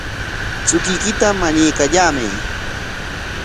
Chukuykita mañaykallamay.